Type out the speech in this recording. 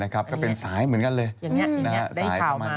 ก็เป็นสายเหมือนกันเลยหรืออย่างนี้แบบนี้